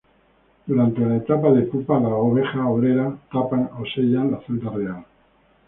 Durante la etapa de pupa, las abejas obreras tapan o sellan la celda real.